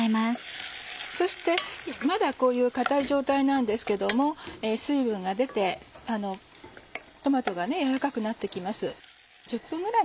そしてまだこういう硬い状態なんですけども水分が出てトマトが軟らかくなって来ます。